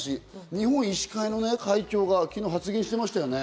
日本医師会の会長が昨日、発言してましたね。